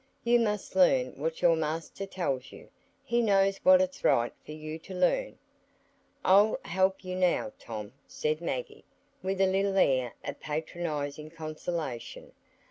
You must learn what your master tells you. He knows what it's right for you to learn." "I'll help you now, Tom," said Maggie, with a little air of patronizing consolation.